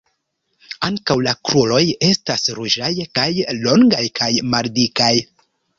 Ankaŭ la kruroj estas ruĝaj kaj longaj kaj maldikaj.